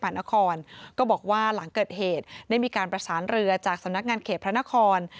นครก็บอกว่าหลังเกิดเหตุได้มีการประสานเรือจากสำนักงานเขตพระนคร